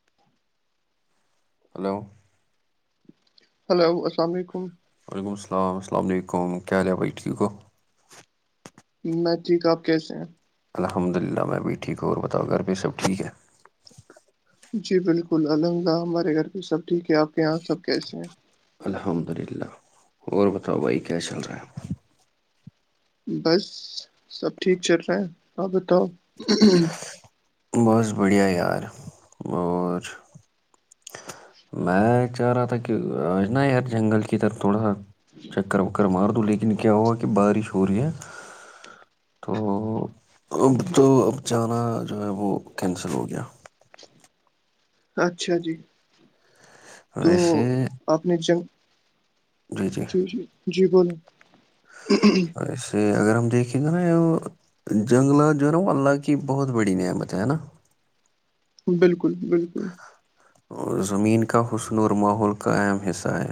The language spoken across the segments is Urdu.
[inaudible] ہلو ہلو اسلام علیکم وعلیکم السلام السل علیکم کیاال ہے بھائی ٹھیک گ میں ٹھیک ہ آپ کیسے ہیں الحمد للہ میں بھی ٹھیک اور بتاؤ گھر پہ سب ٹھیک ہے جی بالکل الحمدلہ ہمارے گھر پہ سب ٹھیک ہے آپ کے یہاں سب کیسے ہیں الحمد للہ اور بتاؤ بھائی کیا چل رہا ہے بس سب ٹھیک چل رہا ہیں آپ بتاؤ بت بڑھیا یار اور میں چاہ رہا تھا کہ آجنا یار جنگل کی ا طرف تھوڑا سا چکر کر مار دو لیکن کیا ہوا کہ بارش ہو رہی ہے تو اب تو اب جانا جو ہے وہ کینسل ہو گیا اچھا جی تو ویسے آپ نے جنگ جی جی جی بولو ویسے اگر ہم دیکھیں گے نا جنگلات جو ہے نا وہ اللہ کی بہت بڑی نعمت ہے ہے نا بالکل بالکل زمین کا حسن اور ماحول کا اہم حصہ ہے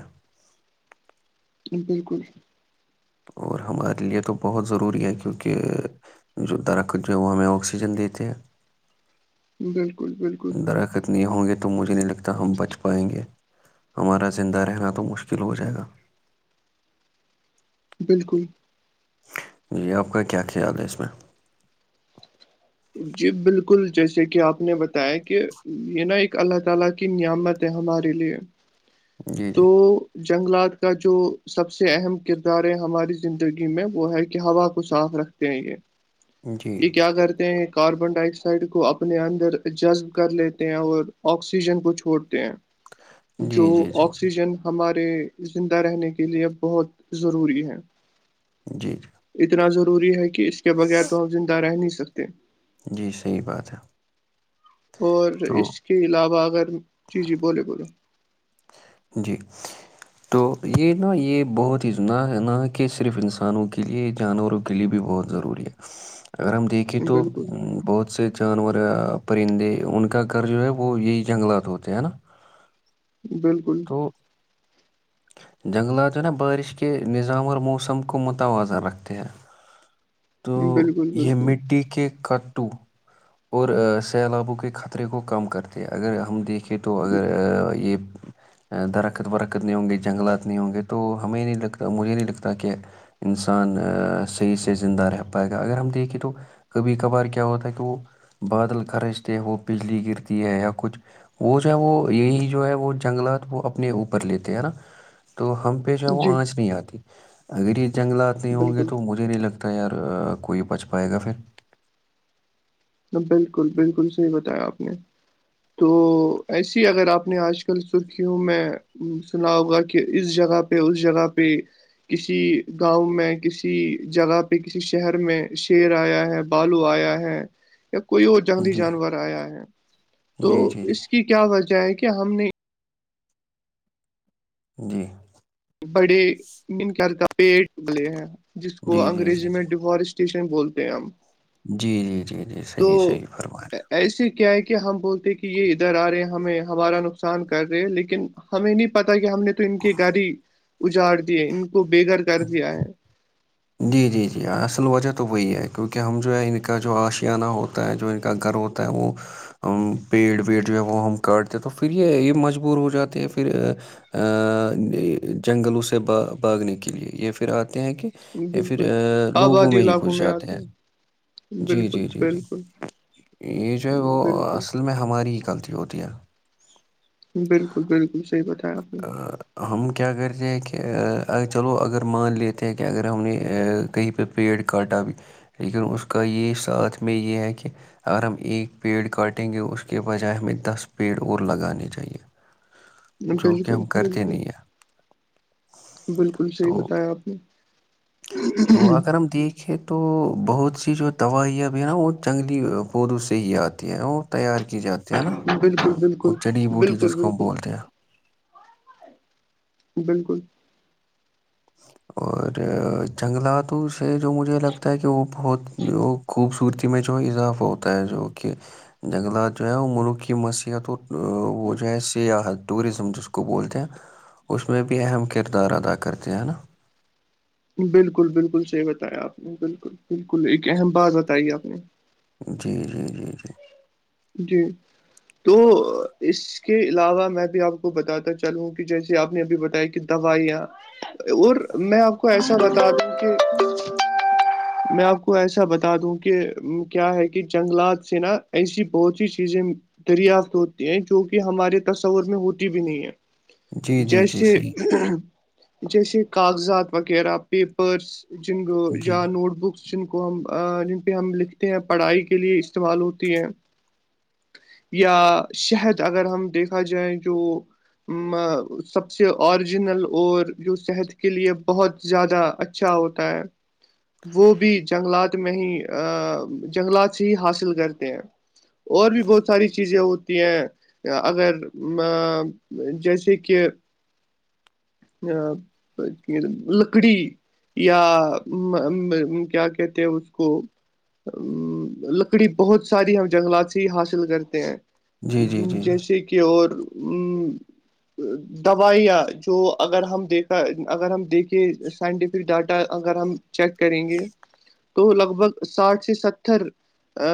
بالکل اور ہمارے لیے تو بہت ضروری ہے کیونکہ جو درخت جو ہے وہ ہمیں آکسیجن دیتے ہیں بالکل بالکل اتنے ہوں گے تو مجھے نہیں لگتا ہم بچ پائیں گے ہمارا زندہ رہنا تو مشکل ہو جائے گا بالکل جی آپ کا کیا خیال ہے اس میں جی بالکل جیسے کہ آپ نے بتایا کہ یہ نا ایک اللہ تعالی کی نعمت ہے ہمارے لیے جی تو جی جنگلات کا جو سب سے اہم کردار ہے ہماری زندگی میں وہ ہے کہ ہوا کو صاف رکھ ہیں یہ جی یہ کیا کرتے ہیں کاربن ڈائی آکسائڈ کو اپنے اندر جذب کر لیتے ہیں اور آکسیجن کو چھوڑتے ہیں جو جی جی جی آکسیجن ہمارے زندہ رہنے کے لیے بہت ضروری ہے جی جی اتنا ضروری ہے کہ اس کے بغیر تو ہم زندہ رہ نہیں سکتے جی صحیح بات ہے اور تو اس کے علاوہ اگر چیزیں بولے بولو جی تو یہ نہا یہ بہت ہی چندنا ہے نا کہ صرف انسانوں کے لیے جانوروں کے لیے بھی بہت ضروری ہے اگر ہم دیکھیں تو بالکل بہت سے جانور یا پرندے ان کا گھر جو ہے وہ یہی جنگلات ہوتے ہیں نا بالکل [unintelligible] وہ [inaudible] جنگلات جو نا بارش کے نظام اور موسم کو متوازن رکھتے ہیں تو بالکل یہ بالکل مٹی کے کتو اور سیلابوں کے خطرے کو کم کرتے اگر ہم دیکھیں کہ تو اگر یہ درکت ورکت نہیں ہوں گے جنگلات نہیں ہوں گے تو ہمیں نہیں لگتا مجھے نہیں لگتا کہ [unintelligible] انسان صحیح سحی [unintelligible] زندہ رہ پائے گا اگر ہم دیکھیں تو کبھی کبھار کیا ہوتا ہے کہ وہ بادل خرچتے وہ بجلی گرتی ہے یا کچھ وہ جو ہے وہ یہی جو ہے وہ جنگلات وہ اپنے اوپر لیتے نا تو ہم پیش ہے وہ جی آنچ نہیں آتی اگر یہ جنگلات نہیں ہوں گے بالکل تو مجھے نہیں لگتا [unintelligible] ت یار کوئی بچ پائے گا پھر [unintelligible] بالکل بالکل صحیح بتایا آپ نے تو ایسیے ہی اگر آپ نے آج کل سرخیوں میں سنا ہوگا کہ اس جگہ [unintelligible] پ اس جگہ پہ [unintelligible] کسی گاؤں میں کسی جگہ پہ کسی شہر میں شیر آیا ہے [unintelligible] بالو آیا ہے [unintelligible] کوئی اور جنگلی جی جانور آیا ہے تو جی جی جی اس کی کیا وجہ ہے کہ ہم نے [unintelligible] جی [unintelligible] بڑے م کرتا پیٹ پلے ہیں جس جی کو جی جی انگریزی جی میں ڈیفارسٹ اسش بولتے ہیں ہم [unintelligible] جی جی جی جی تو صحیح صحیح فرمایں ایسے کیا ہے کہ ہم بولتے ہیں کہ یہ ادھر آ رہے ہیں ہمیں ہمارا نقصان کر رہے ہے لیکن [unintelligible] ہمیں نہیں پتا کہ ہم نے تو ان کے گھری اجاڑ دیے ان کو بے گھر کر دیا ہے جی جی جی اصل وجہ تو وہی ہے کیونکہ ہم جو ہے ان کا جو آشیانہ ہوتا ہے جو ان کا گھر ہو ت وہ [unintelligible] پیڑ ویڑ جو ہے وہ ہم کاٹتے تو پھر یہ یہ مجبور ہو جاتے ہیں پھر جنگلوں سے با باگنے کے لیے یہ پھر آتے ہیں کہ یا پھر بالکل لوگوں آبادی میں ہی علاقوں خوش جاتے آتے ہیں [unintelligible] جی بالکل جی جی جی بالکل یہ جو ہے وہ بالکل اصل میں ہماری ہی غلطی ہوتی ہے بالکل بالکل صحیح بتایا آپ نے اور [unintelligible] ہم کیا کرتے ہیں کہ چلو اگر مان لیتے ہیں کہ اگر ہم نے کہیں پہ پیڑ کاٹا بھی لیکن اس کا یہ ساتھ میں یہ ہے کہ [unintelligible] اگر ہم ایک پیڑ کاٹیں گے اس کے بجائے ہمیں دس پیڑ اور لگانے چاہیے جو کہ بالکل ہم کرتے بالکل نہیں [unintelligible] ہیں بالکل صحیح تو بتایا آپ نے [unintelligible] دیکے تو بہت سی جو دوائںب ہے نا وہ جنگلی پودوں سے ہی آتی ہے وہ تیار کی جاتی [unintelligible] شپینہ [unintelligible] بالکل بالکل بالکل بالکل بولتے ہیں بالکل اور جنگلاتوں سے جو مجھے لگتا ہے کہ وہ بہت جو خوبصورتی میں جو اضافہ ہوتا ہے جو کہ جنگلات جو ہے وہ ملوک کی مسیحتوں وہ جو ہے سیاحت ٹورزم جس کو بولتے ہیں اس میں بھی اہم کردار ادا کرتے ہیں ہے نا بالکل بالکل صحیح بتایا آپ نے بالکل بالکل ایک اہم بات بتائی آپ نے جی جی جی جی جی تو اس [unintelligible] اس کے علاوہ میں بھی آپ کو بتاتا چلوں کہ جیسے آپ نے ابھی بتایا کہ دوائیاں اور میں آپ کو ایسا بتا دوں کہ میں آپ کو ایسا بتا دوں کہ کیا ہے کہ جنگلات سے نا ایسی بہت سی چیزیں دریافت ہوتی ہیں جوک ہمارے تصور میں ہوتی بھی نہیں ہے جی جی جی جیسے صحیح جیسے کاغذات وغیرہ پیپرس جن کو جی یا نوٹ بکس جن کو ہم جن پہ ہم لکھتے ہیں پڑھائی کے لیے استعمال ہوتی ہے یا شہد اگر ہم دیکھا جائے جو سب سے اوریجنل اور جو صحت کے لیے بہت زیادہ اچھ اچھا ہوتا ہے وہ بھی جنگلات میں ہی جنگلات سے ہی حاصل کرتے ہیں اور بھی بہت ساری چیزیں وہ اگر جیسے کہ ا لکڑی یا کیا کہتے اس کو ا لکڑی بہت ساری ہم جنگلات سے ہی حاصل کرتے ہیں جی جی جی جی جیسے کہ اور دوائیاں جو اگر ہم دیکھا اگر ہم دیکھیں سائنٹیفک ڈاٹا اگر ہم چیک کریں گے تو لگ بھگ ساٹھ سے ستر [unintelligible] ا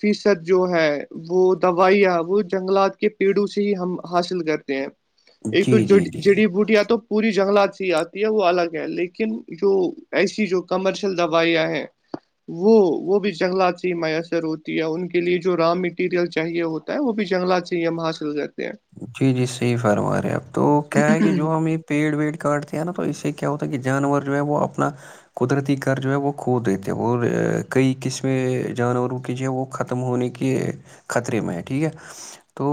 فیصد جو ہے وہ دوائیا وہ جنگلات کے پیڑوں سے ہی ہم حاصل کرتے ہیں ایک تو جی جی جی جڑی بوٹی تو پوری جنگلات سے ہی آتی ہے وہ الگ ہے لیکن جو ایسی جو کمرشل دوائی ہے وہ وہ بھی جنگلات سے ہی میسر ہوتی ہے ان کے لیے جو را میٹیریل چاہیے ہو وہ بھی جنگات سے یہ ہم حاصل گئے جی جی صحیح فرما رہے ہیں اپب تو کیا ہے کہ جو ہمیں پیڑ ویڑ کاٹتے ہیں نا تو اس سے کیا ہوتا ہے کہ جانور جو ہے وہ اپنا قدرتی گھر جو ہے وہ کھو دیتے ہیں اور کئی قسم جانوروں کے جو ہے وہ ختم ہونے کے خطرے میں ہے ٹھیک ہے تو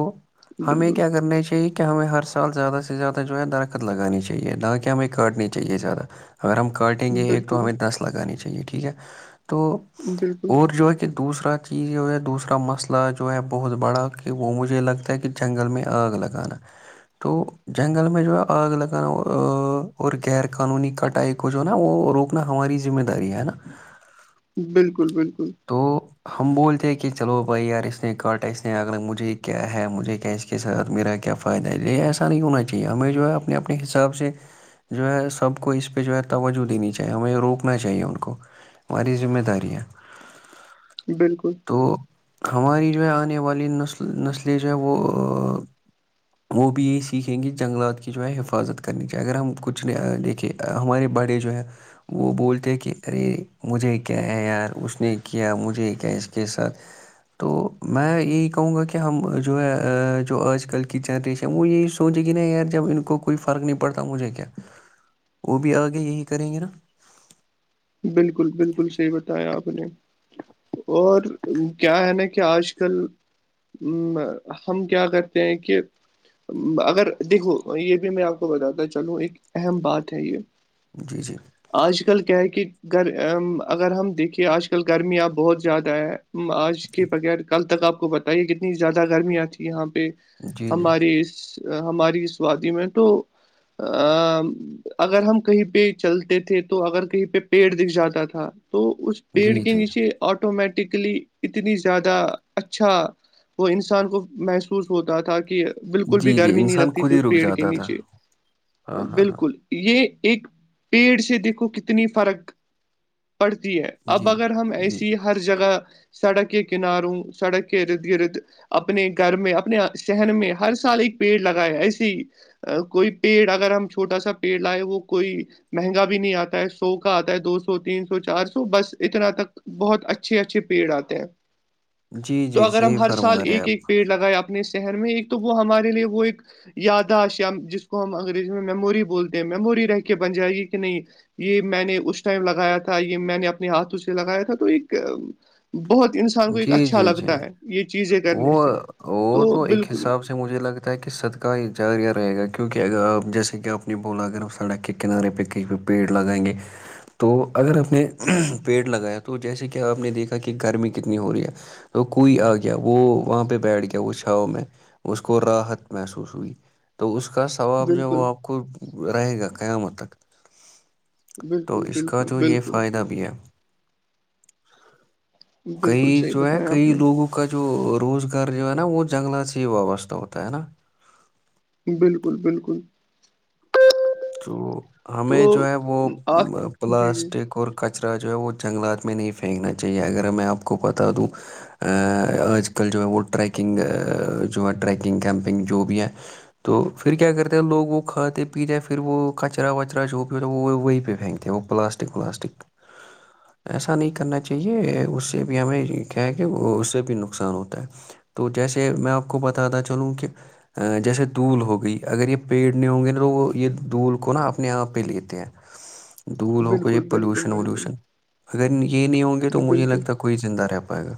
ہمیں بالکل کیا کرنا چاہیے کہ کہ ہمیں ہر سال زیادہ سے زیادہ جو ہے درخت لگانی چاہیے دانک ہمیں کاٹنی چاہیے زیادہ اگر ہم کاٹیں گے ایک تو بالکل ہمیں دس لگانی چاہیے ٹھیک ہے تو بالکل اور جو ہے کہ دوسرا چیز جو ہے دوسرا مسئلہ جو ہے بہت بڑا کہ وہ مجھے لگتا ہے کہ جنگل میں آگ لگانا تو جنگل میں جو ہے آگ لگانا اور غیر قانونی کٹائی کو جو ہے نا وہ روکنا ہماری ذمہ داری ہے نا بالکل بالکل تو ہم بولتے ہیں کہ چلو بھائی یار اس نے کاٹا اس نےگ ل مجھے کیا ہے مجھے کیا کے ساتھ میرا کیا فائدہ ہے یہ ایسا نہیں ہونا چاہیے ہمیں جو ہے اپنے اپنے حساب سے جو ہے سب کو اس پہ جو ہے توجہ دینی چاہیے ہمیں روکنا چاہیے ان کو ہماری ذمہ داریاں بالکل تو ہماری جو ہے آنے والی نسل نسلیں جو ہے وہ وہ بھی یہی سیکھیں گے جنگلات کی جو ہے حفاظت کرنی چاہیے اگر ہم کچھ دیکھے ہمارے بڑے جو ہیں وہ بولتے کہ ارے مجھے کیا ہے یار وچ نے کیا مجھے کیا اس کے ساتھ تو میں یہی کہوں گا کہ ہم جو ہے جو آج کل کی جنریش وہ یہی سوچے گی نا یار جب ان کوئی فرق نہیں پڑتا مجھے کیا وہ بھی آگے یہی کریں گے نا بالکل بالکل صحیح بتایا آپ نے اور کیا ہے نا کہ آج کل ا ہم کیا کرتے ہیں کہ اگر دیکھو یہ بھی میں آپ کو بتاتا چلوں ایک اہم بات ہے یہ جی جی آج کل کیا ہے کہ گ اگر ہم دیکھیے آج کل گرمیاںب بہت زیادہ ہے آج کے جی بغیر کل تک آپ کو بتائیے کتنی زیادہ گرمیاں تھی یہاں پہ جی جی ہماری ہماری س وادی میں تو ا اگر ہم کہیں پہ چلتے تھے تو اگر کہیں پہ پیڑ دکھ جاتا تھا تو اس پیڑ جی کے جی نیچے آٹومیٹکلی اتنی زیادہ اچھا وہ انسان کو محسوس ہوتا تھا کہ بالکل بھی جی جی گرمی نہیں انسان لگتی خود تھی ہی اس رک پیڑ کے جاتا تھا نیچے ہاں ہاں ہاں بالکل یہ ایک پیڑ سے دیکھو کتنی فرق پڑتی ہے اب جی اگر ہم جی ایسی ہر جگہ سڑ کے کناروں سڑ کے ارد ارد اپنے گھر میں اپنے شہر میں ہر سال ایک پیڑ لگایا ایسے کوئی پیڑ اگر ہم چھوٹا سا پیڑ لائے وہ کوئی مہنگا بھی نہیں آتا ہے سو آتا ہے دو سو تین سو چار سو بس اتنا تک بہت اچھے اچھے پیڑ آتے ہیں جی تو جی اگر ہم صحیح ہر سال فرما رہے ہیں ایک ایک آپ پیڑ لگائے اپنے شہر میں ایک تو وہ ہمارے لیے وہ ایک یاداشیا جس کو ہم انگریزی میں میموری بولتے ہیں میموری رہ کے بن جائے گی کہ نہیں یہ میں نے اس ٹائم لگایا تھا یہ میں نے اپنے ہاتھوں سے لگایا تھا تو ایک بہت انسان کو ایک جی اچھا جی جی لگتا ہے یہ چیزیں کرنے وہ سے وہ تو ایک بالکل حساب مجھے لگتا ہے کہ صد کا ا جارہ رہےا کیونکہ اگر آپ جیسے کہ آپ نے بولا اگر سڑا کک پنک رہے پ پیڈ لگایں گے [unintelligible] تو اگر آپ نے پیڑ لگایا تو جیسے کہ آپ نے دیکھا کہ گرمی کتنی ہو رہی ہے تو کوئی آ گیا [inaudible] گیا وہاں پہ بیٹھ گیا وہ چھاؤ میں اس کو راحت محسوس ہوئی تو اس کا ثواب جو ہے بالکل وہ آپ کو رہے گا قیامت تک تو بالکل اس کا بالکل جو یہ بالکل فائدہ بھی ہے بالکل کئی صحیح جو ہے بتایا آپ کئی نے لوگوں کو کا جو روزگار جو ہے نا وہ جنگلات سے ہی وابستہ ہوتا ہے نا بالکل بالکل تو تو ہمیں جو ہے وہ آ جی جی پلاسٹک اور کچرا جو ہے وہ جنگلات میں نہیں پھینکنا چاہیے اگر میں آپ کو بتا دوں آج کل جو ہے وہ ٹریکنگ جو ہے ٹریکنگ کیمپنگ جو بھی ہے تو پھر کیا کرتے ہیں لوگ وہ کھاتے پیتے پھر وہ کچرا وچرا جو بھیتا وہیں پہ پھینکتے ہیں وہ پلاسٹک ولاسٹک ج [inaudible] ایسا نہیں کرنا چاہیے اس سے بھی ہمیں کیا ہے کہ وہ اس سے بھی نقصان ہوتا ہے تو جیسے میں آپ کو بتاتا چلوں کہ جیسے دول ہو گئی اگر یہ پیڑ نہیں ہوں گے نا تو وہ یہ دول کو نہا اپنے آپ پہ لے لیتے ہیں دول ہو کو یہ بالکل بالکل پولوشن بالکل وولوشن اگر یہ نہیں ہوں گے تو مجھے بالکل لگتا کوئی زند رہ پائے گا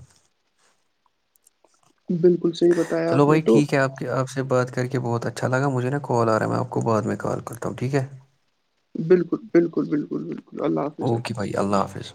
بالکل صحیح بتایا چلو آپ نے بھائی تو ٹھیک ہے آپ کہ آپ سے بات کر کے بہت اچھا لگا مجھے نا کال آ رہا ہے میں آپ کو بعد میں کال کرتا ہوں ٹھیک ہے بالکل بالکل بالکل بالکل اللہ حافظ اوکے بھائی اللہ حافظ